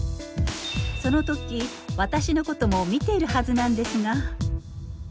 その時私のことも見ているはずなんですが。